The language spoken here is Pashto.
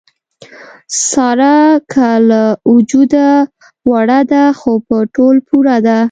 ساره که له وجوده وړه ده، خو په تول پوره ده.